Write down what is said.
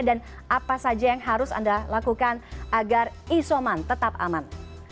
dan apa saja yang harus anda lakukan agar isoman tetap aman